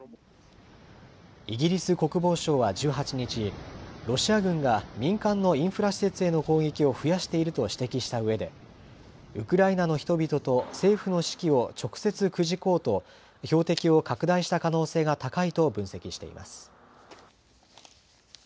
イギリス国防省は１８日、ロシア軍が民間のインフラ施設への攻撃を増やしていると指摘したうえで、ウクライナの人々と政府の士気を直接くじこうと、標的を拡大した可能性が高いと分析しています。